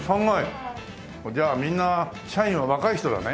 じゃあみんな社員は若い人だね？